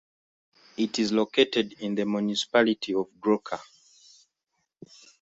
It is located in the municipality of Grocka.